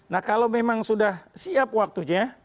nah kalau memang sudah siap waktunya